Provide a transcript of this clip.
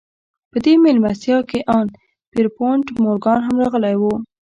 په دې مېلمستيا کې ان پيرپونټ مورګان هم راغلی و.